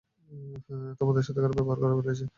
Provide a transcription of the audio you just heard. তোমার সাথে খারাপ ব্যাবহার করে ফেলছি।